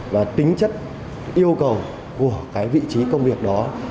và tính chất yêu cầu của cái vị trí công việc đó